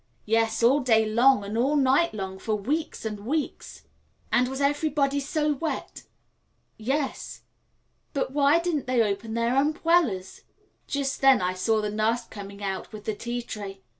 "Yes, all day long and all night long for weeks and weeks " "And was everybody so wet?" "Yes " "But why didn't they open their umbwellas?" Just then I saw the nurse coming out with the tea tray.